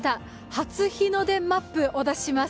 初日の出マップをお出しします。